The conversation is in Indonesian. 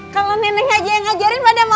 kalau nenek aja yang ngajarin pada mau gak